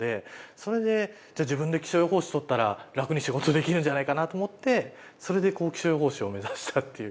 それでじゃあ自分で気象予報士取ったら楽に仕事できるんじゃないかなと思ってそれでこう気象予報士を目指したっていう。